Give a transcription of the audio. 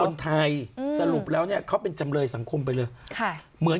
คนไทยอืมสรุปแล้วเนี่ยเขาเป็นจำเลยสังคมไปเลยค่ะเหมือน